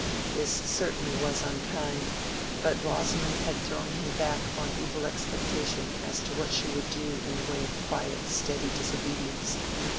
This certainly was unkind, but Rosamond had thrown him back on evil expectation as to what she would do in the way of quiet steady disobedience.